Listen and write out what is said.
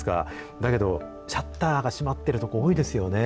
だけどシャッターが閉まっている所、多いですよね。